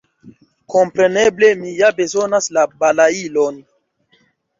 Kompreneble, mi ja bezonas la balailon.